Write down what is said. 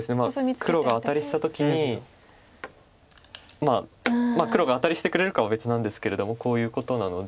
まあ黒がアタリしてくれるかは別なんですけれどもこういうことなので。